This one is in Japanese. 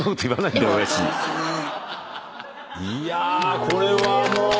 いやこれはもう何か。